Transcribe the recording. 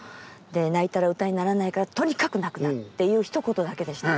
「泣いたら歌にならないからとにかく泣くな」っていうひと言だけでした。